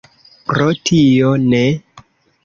Pro tio ne.